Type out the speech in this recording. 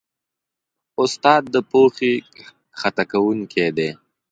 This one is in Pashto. استاد د پوهې کښتونکی دی.